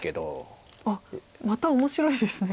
あっまた面白いですね。